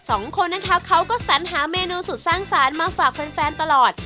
สองคนนะคะเขาก็สัญหาเมนูสุดสร้างสารมาฝากแฟนแฟนตลอด